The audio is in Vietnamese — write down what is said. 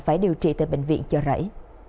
phải điều trị tại bệnh viện cho rẫy